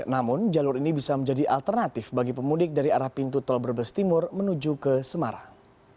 namun jalur ini bisa menjadi alternatif bagi pemudik dari arah pintu tol brebes timur menuju ke semarang